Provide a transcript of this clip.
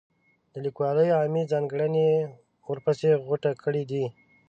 د لیکوالۍ عامې ځانګړنې یې ورپسې غوټه کړي دي.